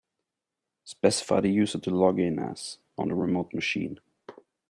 Specify the user to log in as on the remote machine.